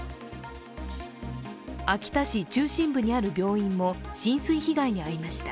秋田市中心部にある病院も浸水被害に遭いました。